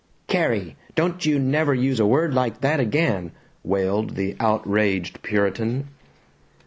"Carrie! Don't you never use a word like that again!" wailed the outraged Puritan.